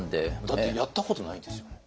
だってやったことないですよね？